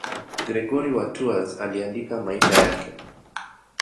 Gregori wa Tours aliandika maisha yake.